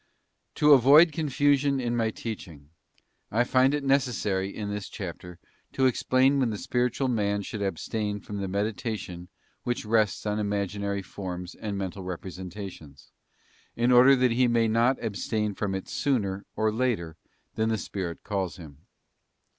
To avoid confusion in my teaching, I find it necessary in this chapter to explain when the spiritual man should abstain from the meditation which rests on imaginary forms and mental representations, in order that he may not abstain from it sooner or later than the Spirit calls him.